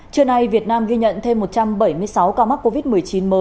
trưa nay việt nam ghi nhận thêm một trăm bảy mươi sáu ca mắc covid một mươi chín mới